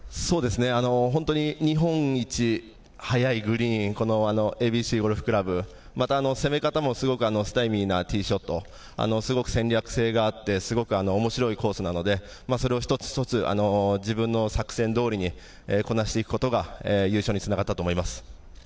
本当に日本一速いグリーン、このＡＢＣゴルフ倶楽部、また、攻め方もすごくスタイミーなティーショット、すごく戦略性があって、すごくおもしろいコースなので、それを一つ一つ、自分の作戦どおりにこなしていくことが優勝につながったと思います。